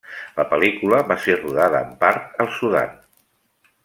La pel·lícula va ser rodada en part al Sudan.